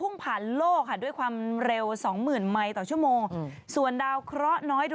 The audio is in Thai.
นางคิดแบบว่าไม่ไหวแล้วไปกด